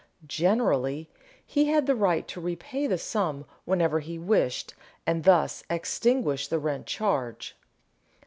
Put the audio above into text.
Generally he had the right to repay the sum whenever he wished and thus extinguish the rent charge.